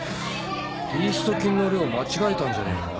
イースト菌の量間違えたんじゃねえか？